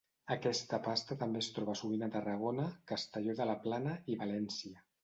Aquesta pasta també es troba sovint a Tarragona, Castelló de la Plana i València.